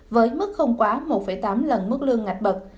với mức không quá một tám lần mức lương ngạch bật